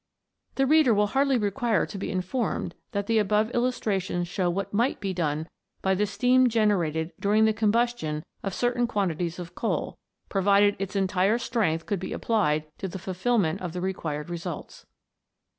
* The reader will hardly require to be informed that the above illus trations show what might be done by the steam generated during the combustion of certain quan tities of coal, provided its entire strength could be applied to the fulfilment of the required results.